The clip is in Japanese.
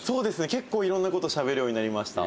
結構色んな事しゃべるようになりました。